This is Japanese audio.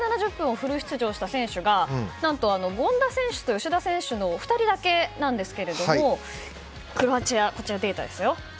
フル出場した選手が何と、権田選手と吉田選手の２人だけなんですがクロアチアのデータですよ。